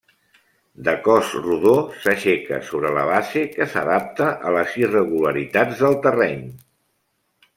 De cos rodó s'aixeca sobre la base que s'adapta a les irregularitats del terreny.